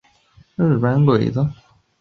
我的老天鹅啊